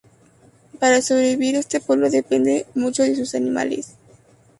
Para sobrevivir este pueblo depende mucho de sus animales.